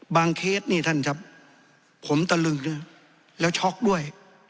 เคสนี่ท่านครับผมตะลึงแล้วช็อกด้วย